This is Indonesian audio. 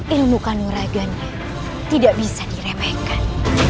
ilmu kanoraganya tidak bisa diremehkan